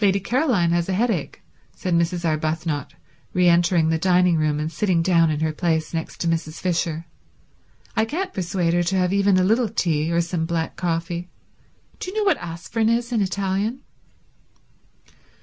"Lady Caroline has a headache," said Mrs. Arbuthnot, re entering the dining room and sitting down in her place next to Mrs. Fisher. "I can't persuade her to have even a little tea, or some black coffee. Do you know what aspirin is in Italian?"